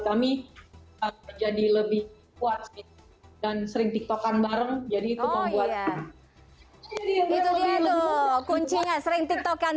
kami jadi lebih kuat dan sering tiktokan bareng jadi itu membuat itu dia tuh kuncinya sering tiktokan